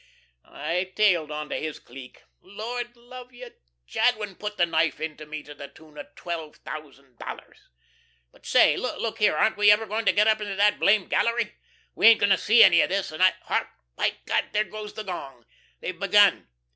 I tailed on to his clique. Lord love you! Jadwin put the knife into me to the tune of twelve thousand dollars. But, say, look here; aren't we ever going to get up to that blame gallery? We ain't going to see any of this, and I hark! by God! there goes the gong. They've begun.